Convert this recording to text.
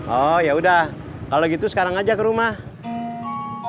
oh ya udah kalau gitu sekarang aja ke rumah ayo pak